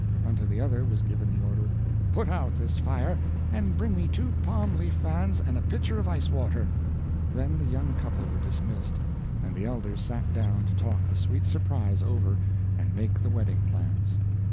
Unto the other was given the order, "Put out this fire, and bring me two palm leaf fans and a pitcher of ice water." Then the young people were dismissed, and the elders sat down to talk the sweet surprise over and make the wedding plans.